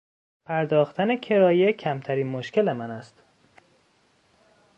پرداختن کرایه کمترین مشکل من است.